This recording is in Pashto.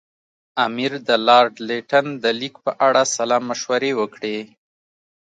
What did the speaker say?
امیر د لارډ لیټن د لیک په اړه سلا مشورې وکړې.